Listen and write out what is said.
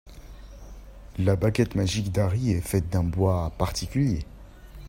La baguette magique d’Harry est faite d’un bois particulier.